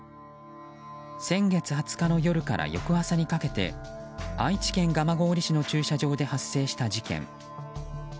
先月２０日の夜から翌朝にかけて愛知県蒲郡市の駐車場で発生した事件。